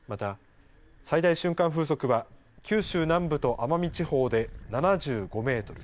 また、最大瞬間風速は九州南部と奄美地方で７５メートル。